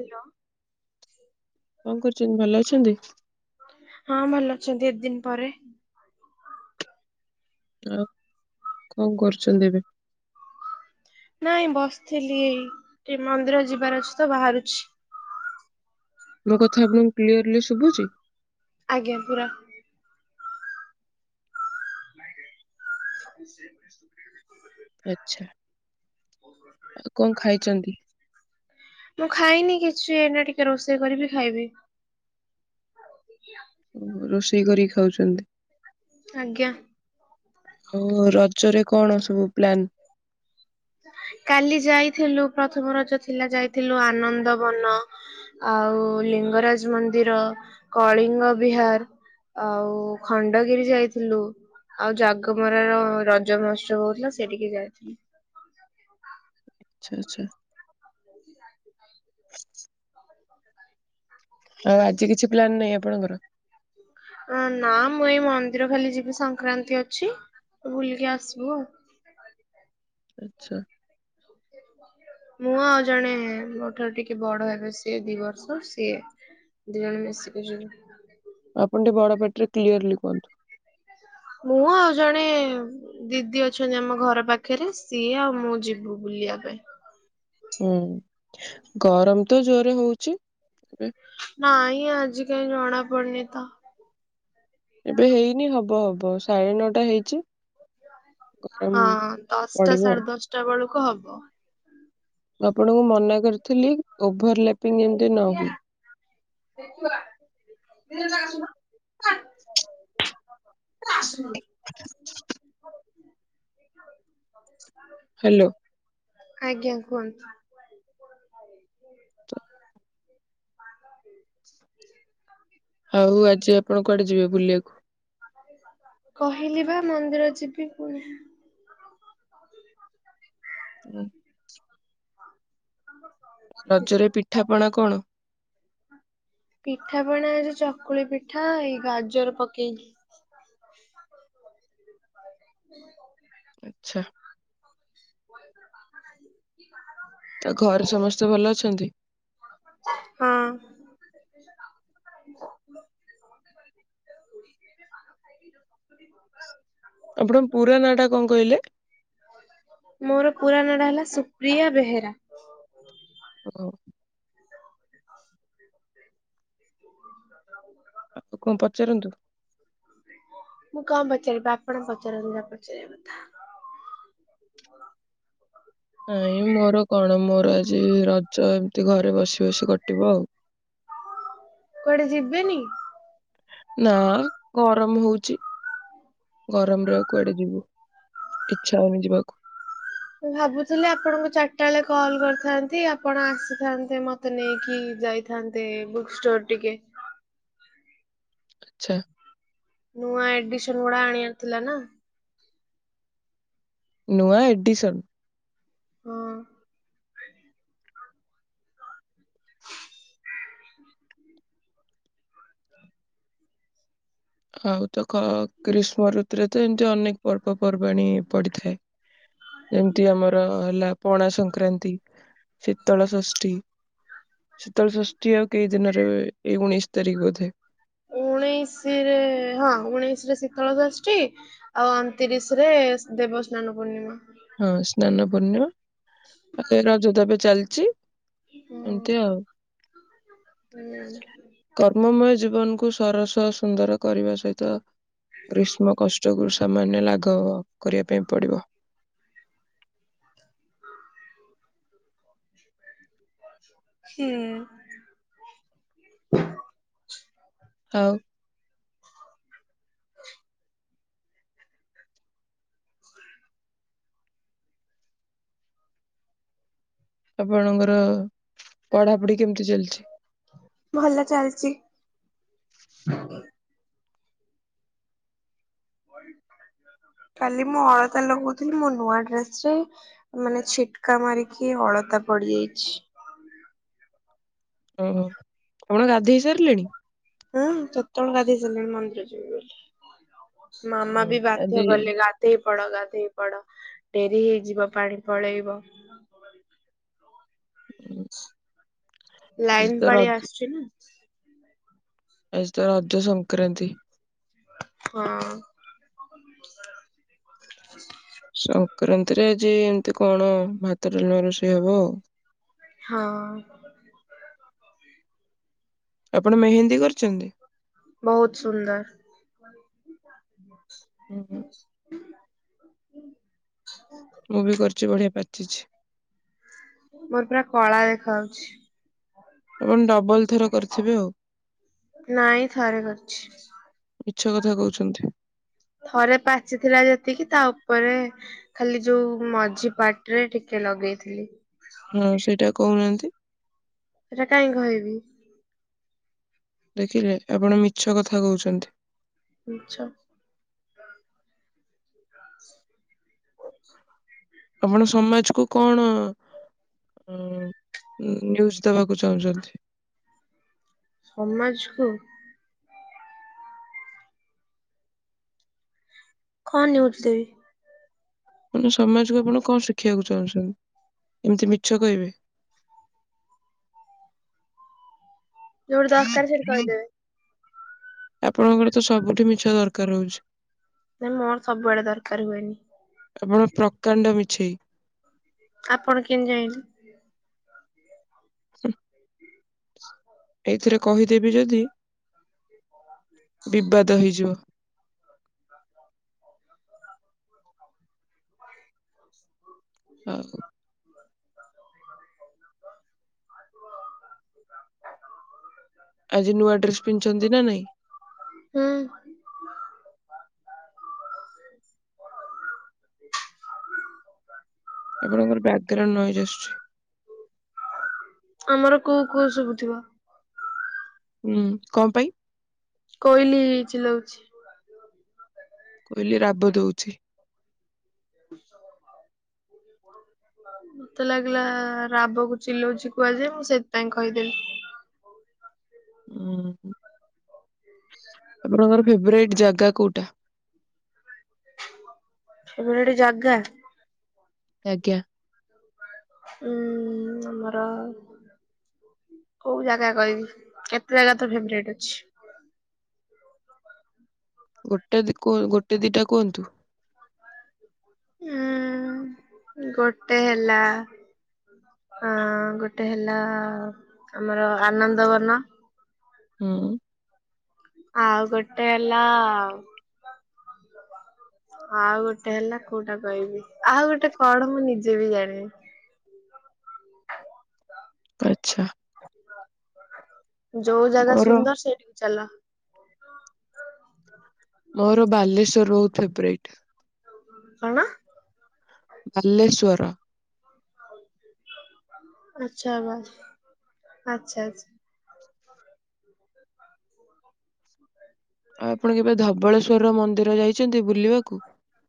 Hello. କଣ କରୁଚନ୍ତି ଭଲ ଅଛନ୍ତି। ହଁ ଭଲ ଅଛନ୍ତି ଏୟେ ଦିନ ପରେ ଆଉ କଣ କରୁଚନ୍ତି ଏବେ? ନାଇଁ ବସିଥିଲି ଏଇ ମନ୍ଦିର ଯିବାର ଅଛି ତ ବାହାରୁଛି। ମୋ କଥା ଆପଣଙ୍କୁ କ୍ଲିୟରଲି ଶୁଭୁଚି? ଆଜ୍ଞା ପୁରା। ଆଚ୍ଛା ଆଉ କଣ ଖାଇଛନ୍ତି? ସିଏ ନା ଟିକେ ରୋଷେଇ କରିବି ଖାଇବି। ଓହୋ ରୋଷେଇ କରିକି ଖାଉଚନ୍ତି। ଆଜ୍ଞା। ଆ ରଜରେ କଣ ସବୁ ପ୍ଲାନ୍? କାଲି ଯାଇଥିଲୁ ପ୍ରଥମ ରଜ ଥିଲା ଯାଇଥିଲୁ ଆନନ୍ଦ ବନ ଆଉ ଲିଙ୍ଗରାଜ ମନ୍ଦିର କଳିଙ୍ଗ ବିହାର ଆଉ ଖଣ୍ଡଗିରି ଯାଇଥିଲୁ ଆଉ ଜାଗମରାର ରଜ ମହୋତ୍ସବ ହୋଉଥିଲା ସେଠିକି ଯାଇଥିଲୁ। ଆଚ୍ଛା ଆଚ୍ଛା। ଆଉ ଆଜି କିଛି ପ୍ଲାନ ନାହିଁ ଆପଣଙ୍କର? ନା ମୁଁ ଏଇ ମନ୍ଦିର ଖାଲି ଯିବି ସଂକ୍ରାନ୍ତି ଅଛି ବୁଲିକି ଆସିବୁ ଆଉ। ଆଚ୍ଛା। ମୁଁ ଆଉ ଜଣେ ମୋ ଠାରୁ ଟିକେ ବଡ ହେବେ ସିଏ ଦି ବର୍ଷ ସିଏ ଦି ଜଣ ମିଶିକି ଯିବୁ। ଆପଣ ଟିକେ ବଡ ପାଟିରେ କ୍ଲିୟରଲି କୁହନ୍ତୁ। ମୁଁ ଆଉ ଜଣେ ଦିଦି ଅଛନ୍ତି ଆମ ଘର ପାଖରେ ସିଏ ଆଉ ମୁଁ ଯିବୁ ବୁଲିବା ପାଇଁ। ହୁଁ ଗରମ ତ ଜୋରେ ହେଉଚି। ନାଇଁ ଆଜି କାଇଁ ଜଣା ପଡୁନିତ। ଏବେ ହେଇନି ହବ ହବ ସାଢେ ନଅଟା ହେଇଚି। ହଁ ଦଶଟା ସାଢେ ଦଶଟା ବେଳ କୁ ହବ। ଆପଣଙ୍କୁ ମନା କରିଥିଲି। ଓଭର ଲାପିଙ୍ଗ ଯେମିତି ନ ହୁଏ। [unintelligible] ହାଲୋ। ଆଜ୍ଞା କୁହନ୍ତୁ। [unintelligible] ବୁଲିଆକୁ। କହିଲି ବା ମନ୍ଦିର ଯିବି ପୁଣି। ଉଁ। ରଜରେ ପିଠାପଣା କଣ? ପିଠାପଣା ଏଇ ଯୋଉ ଚକୁଳି ପିଠା ଏଇ ଗାଜର ପକେଇକି। ଆଚ୍ଛା। [unintelligible] ତ ଘରେ ସମସ୍ତେ ଭଲ ଅଛନ୍ତି? ହୁଁ [unintelligible] ଆପଣ ପୁରା ନା ଟା କଣ କହିଲେ? ମୋର ପୁରା ନାଁ ଟା ହେଲା ସୁପ୍ରିୟା ବେହେରା। ହୁଁ ଆଉ କଣ ପଚାରନ୍ତୁ? ମୁଁ କଣ ପଚାରିବି ଆପଣ ପଚାରନ୍ତୁ ଯାହା ପଚାରିବା କଥା। ନାଇଁ ମୋର କଣ ମୋର ଆଜି ରଜ ଏମିତି ଘରେ ବସି ବସି କଟିବ ଆଉ। କୁଆଡେ ଯିବେନି? ନା ଗରମ ହଉଛି ଗରମ ରେ କୁଆଡେ ଯିବୁ ଇଚ୍ଛା ହଉନି ଯିବାକୁ। ମୁଁ ଭାବୁଥିଲି ଆପଣଙ୍କୁ ଚାରିଟା ବେଳେ କଲ କରିଥାନ୍ତି ଆପଣ ଆସିଥାନ୍ତେ ମତେ ନେଇକି ଯାଇଥାନ୍ତେ ବୁକ୍ ଷ୍ଟୋର ଟିକେ। ଆଚ୍ଛା ନୂଆ ଏଡିସନ ଗୁଡା ଆଣିବାର ଥିଲା ନା। ନୂଆ ଏଡିସନ। ହଁ ଆଉ ତ ଗ୍ରୀଷ୍ମ ଋତୁରେ ତ ଏମିତି ଅନେକ ପର୍ବପର୍ବାଣିୀ ପଡିଥାଏ। ଯେମିତି ଆମର ହେଲା ପଣା ସଂକ୍ରାନ୍ତି ଶୀତଳ ଷଷ୍ଠୀ ଶୀତଳଷଷ୍ଠୀ ଆଉ କେଇ ଦିନରେ ଏଇ ଉଣେଇଶି ତାରିଖ ବୋଧେ। ଉଣେଇଶିରେ ହଁ ଉଣେଇଶ ରେ ଶୀତଳ ଷାଷ୍ଠୀ ଆଉ ଅଣତିରିଶ ରେ ଦେବସ୍ନାନ ପୂର୍ଣ୍ଣିମା। ହଁ ସ୍ନାନ ପୁର୍ଣିମା ଆ ଯ ରଜତ ଏବେ ଚାଲିଛି ଜି ଏମିତି ଆଉ। ହୁଁ ହୁଁ। କର୍ମମୟ ଯୁ ଜୀବନକୁ ସରସ ସୁନ୍ଦର କରିବା ସହିତ ଗ୍ରୀଷ୍ମ କଷ୍ଟ କ ସାମାନ୍ୟ ଲାଘ କରିବା ପାଇଁ ପଡିବ। ହୁଁ ଆଉ [unintelligible] ଆପଣଙ୍କର ପଢାପଢି କେମିତି ଚାଲିଚି? ଭଲ ଚାଲିଚି। କାଲି ମୁଁ ଅଳତା ଲଗଉଥିଲି ମୋ ନୂଆ ଡ୍ରେସ ରେ ମାନେ ଛିଟକା ମାରିକି ଅଳତା ପଡିଯାଇଛି। ଓହୋ ଆପଣ ଗାଧୋଇ ସାରିଲେଣି? ହୁଁ ଚତଳୁ ଗାଧିଇ ସାରିଲଣି ମନ୍ଦିର ଯିବି ବୋଲି। ମାମା ହୁଁ ବି ବାଧ୍ୟ ଆଜି କଲେ ଗାଧେ ପଡ ଗାଧେଇ ପଡ ଡେରି ହେଇଯିବ ପାଣି ପଳେଇବ। ହୁଁ ଆଜି ଲାଇନ ତ ପାଳି ରଜ ଆସୁଛି ନା ଆଜି ତ ରଜ ସଂକ୍ରାନ୍ତି। ହଁ ସଂକ୍ରାନ୍ତି ନ୍ତିରେ ଯେ ଏମିତି କଣ ଭାତ ଡାଲମା ରୋଷେଇ ହବ ହଁ ଆପଣ ମେହେନ୍ଦୀ କରିଛନ୍ତି ବହୁତ ସୁନ୍ଦର ହୁଁ [inaudible] ମୁଁ ବି କର ଯେଉ ଭଳିଆ ପାଚିଛି ମ ପୁରା କଳା ଦେଖାଯାଉଛି ଆପଣ ଡବଲ ଥର କରିଥିବେ ଆଉ ନାଇଁ ଥରେ କରିଛି ମିଛ କଥା କହୁଛନ୍ତି ଥରେ ପାଚିଥିଲା ଯେତିକି ତା ଉପରେ ଖାଲି ଯୋଉ ମଝି ପାଟିରେ ଟିକେ ଲଗେଇଥିଲି ହୁଁ ସେଇଟା କହୁ ନାହାନ୍ତି ସେଟା କାହିଁ କହିବି ଦେଖିଲେ ଆପଣ ମିଛ କଥା କହୁଛନ୍ତି ମିଛ ଆ [inaudible] ଆପଣ ସମାଜ କୁ କଣ ନିୟୁଜ ଦେବାକୁ ଚାହୁଁଛନ୍ତି ସମାଜକୁ କଣ ନିୟୁଜ ଦେବି ମାନେ ସମାଜକୁ ଆପଣ କଣ ଶିଖିବାକୁ ଚାହୁଁଛନ୍ତି ଏମିତି ମିଛ କହିବେ ଯୋଉଠି ଦରକାର ସେଠି କହିଦେବି ଆପଣଙ୍କର ତ ସବୁଠି ମିଛ ଦରକାର ହଉଛି ନା ମୋର ସବୁବେଳେ ଦରକାର ହୁଏନି ଆପଣ ପ୍ରକାଣ୍ଡ ମିଛେଇ ଆପଣ କେମିତି ଯାଣିଲେ ହ ଏଇଥିରେ କହିଦେବି ଯଦି ବିବାଦ ହେଇଯିବ [unintelligible] ଆଉ [unintelligible] [inaudible] ଆଜି ନୂଆ ଡ୍ରେସ ପିନ୍ଧିଛନ୍ତି ନା ନାଇଁ ହୁଁ ଆପଣଙ୍କର ବାକଗ୍ରାଉଣ୍ଡ ନୋଏଜ ଆସୁଛି ଆମର କୋଉ କୋଉ ସବୁ ଥିବ ହୁଁ କଣ ପାଇଁ କୋଇଲି ଚିଲଉଛି। କୋଇଲି ରାବ ଦଉଛି। [inaudible] ମତେ ଲାଗିଲା ରାବକୁ ଚିଲଉଛି କୁହାଯାଏ। ମୁଁ ସେଥିପାଇଁ କହିଦେଲି। ଉଁ ହୁଁ [inaudible] ଆପଣଙ୍କର ଫେବରାଇଟ୍ ଜାଗା କୋଉଟା। ଫେବରାଇଟି ଜାଗା। ଆଜ୍ଞା। ଉଁ ଆମର [inaudible] କୋଉ ଜାଗା କହିବି କେତେ ଜାଗା ତ ଫେରାଇଟି ଅଛି। ଗୋଟେ ଦି କୁ ଗୋଟେ ଦିଟା କୁହନ୍ତୁ। ଉଁ ଗୋଟେ ହେଲା। ଅଁ ଗୋଟେ ହେଲା ଆମର ଆନନ୍ଦ ବନ ହୁଁ। ଆଉ ଗୋଟେ ହେଲା ଆଉ। ଆଉ ଗୋଟେ ହେଲା କୋଉଟା କହିବି ଆଉ ଗୋଟେ କଣ ମୁଁ ନିଜେ ବି ଜାଣିନି। ଆଚ୍ଛା। ଯୋଉ ଜାଗା ମୋର ସୁନ୍ଦର ସେଇଠି। ଚାଲ। ମୋର ବାଲେଶ୍ଵର ବହୁତ ଫେବରାଇଟ। କଣ। ବାଲେଶ୍ଵର। [inaudible] ଆଚ୍ଛା ବାସ୍ ଆଚ୍ଛା ଆଚ୍ଛା। ଆଉ ଆପଣ କେବେ ଧବଳେଶ୍ଵର ମନ୍ଦିର ଯାଇଛନ୍ତି। ବୁଲିବାକୁ।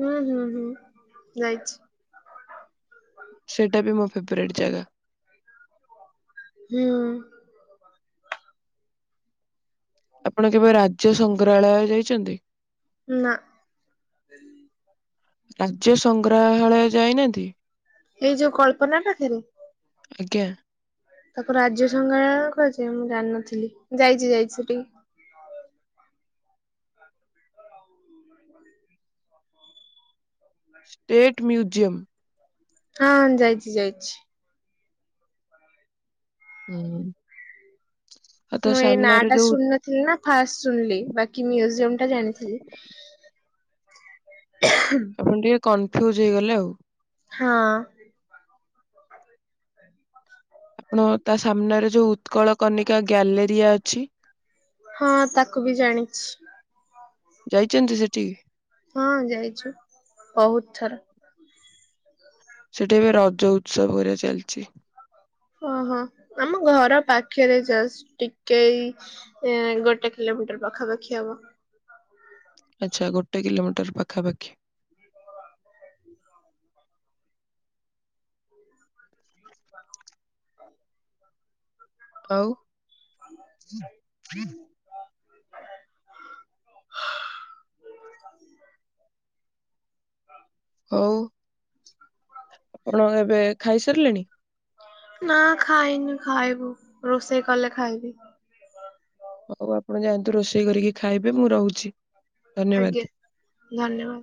ହୁଁ ହୁଁ ହୁଁ ଯାଇଛି। ସେଇଟା ବି ମୋ ଫେବରଟି ଜାଗା। ହୁଁ। ଆପଣ କେବେ ରାଜ୍ୟ ସଂଗ୍ରାଳୟ ଯାଇଛନ୍ତି। ନା। ରାଜ୍ୟ ସଂଗ୍ରାହାଳୟ ଯାଇନାହାନ୍ତି। ଏଇ ଯୋଉ କଳ୍ପନା ପାଖରେ। ଆଜ୍ଞା। ତାକୁ ରାଜ୍ୟ ସଂଗ୍ରାହାଳୟ କହିଚି ମୁଁ ଜାିନଥିଲି। ଯାଇଛି ଯାଇଛି। ସେଟିକି। State museum. ହଁ ଯାଇଚି ଯାଇଚି। ହୁଁ। ଆଉ ତା ମୁଁ ଏ ନା ସାମ୍ନାରେ ଟା ଯୋଉ ଶୁଣିନଥିଲି ନା ଫାଷ୍ଟ ଶୁଣିଲି। ବାକି ମିୟୁଜିଅମ୍ ଟା ଜାଣିଥିଲି। ଆପଣ [unintelligible] କନଫ୍ୟୁଜ୍ ହେଇଗଲେ ଆଉ। ହଁ। ଆପଣ ତା ସାମ୍ନାରେ ଯୋଉ ଉତ୍କଳ କନିକା ଗ୍ୟାଲେରିଆ ଅଛି। ହଁ ତାକୁ ବି ଜାଣିଛି। ଯାଇଛନ୍ତି। ସେଠିକି। ହଁ ଯାଇଛୁ। ବହୁତ୍ ଥର। ସେଠି ଏବେ ରଜ ଉତ୍ସବ କରିବା ଚାଲିଛି। ଓହୋ ଆମ ଘର ପାଖରେ ଜଷ୍ଟ ଟିକେ ଗୋଟେ କିଲୋମିଟର ପାଖାପାଖି ହବ। ଆଛା ଗୋଟେ କିଲୋମିଟର ପାଖାପାଖି। ଆଉ [unintelligible] ହଉ। ଆପଣ ଏବେ ଖାଇସାରିଲେଣି। ନା ଖାଇନି ଖାଇବୁ ରୋଷେଇ କଲେ ଖାଇବି। ହଉ ଆପଣ ଯାଆନ୍ତୁ ରୋଷେଇ କରିକି ଖାଇବେ ମୁଁ ରହୁଛି। ଧନ୍ୟବାଦ। ଆଜ୍ଞା ଧନ୍ୟବାଦ।